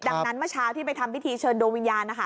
ดังนั้นเมื่อเช้าที่ไปทำพิธีเชิญดวงวิญญาณนะคะ